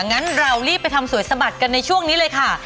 งั้นเรารีบไปทำสวยสะบัดกันในช่วงนี้เลยค่ะ